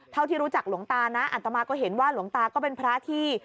เท่าที่รู้จักหลวงตานะอัตมาก็เห็นว่าหลวงตาก็เป็นพระที่